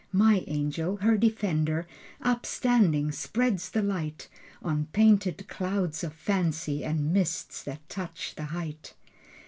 My angel, her defender Upstanding, spreads the light On painted clouds of fancy And mists that touch the height.